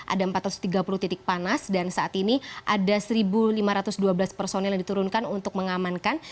ada empat ratus tiga puluh titik panas dan saat ini ada satu lima ratus dua belas personel yang diturunkan untuk mengamankan